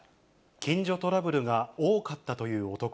近所トラブルが多かったという男。